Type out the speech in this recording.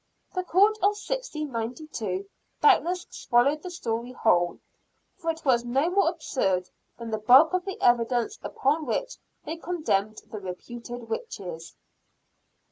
The Court of 1692, doubtless swallowed the story whole, for it was no more absurd than the bulk of the evidence upon which they condemned the reputed witches.